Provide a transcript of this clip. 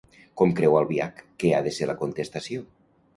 Com creu Albiach que ha de ser la contestació?